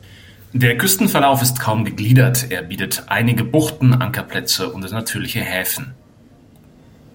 Der Küstenverlauf ist kaum gegliedert; er bietet einige Buchten, Ankerplätze oder natürliche Häfen.